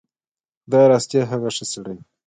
خدای راستي هغه ښه سړی و.